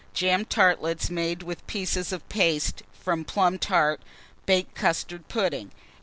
Jam tartlets made with pieces of paste from plum tart, baked custard pudding.